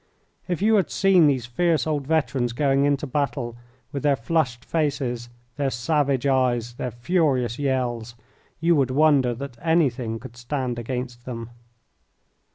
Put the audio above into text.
If you had seen these fierce old veterans going into battle, with their flushed faces, their savage eyes, their furious yells, you would wonder that anything could stand against them.